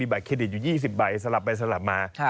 บัตรเครดิตอยู่๒๐ใบสลับไปสลับมา